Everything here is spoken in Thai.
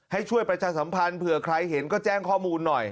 ให้ช่วยประชาสัมพันธ์เผื่อใครเห็นก็แจ้งข้อมูลหน่อย